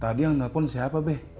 hai tadi yang telepon siapa beb